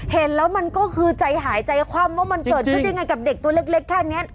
เห็นแล้วมันก็คือใจหายใจคว่ำว่ามันเกิดขึ้นยังไงกับเด็กตัวเล็กแค่นี้